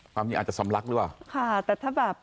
ตามนี้อาจจะซ้ำลักหรือเปล่าค่ะแต่ถ้าแบบ